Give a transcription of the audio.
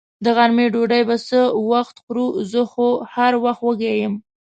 د غرمې ډوډۍ به څه وخت خورو؟ زه خو هر وخت وږې یم.